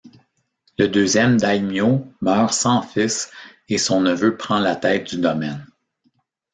Le deuxième daimyo meurt sans fils et son neveu prend la tête du domaine.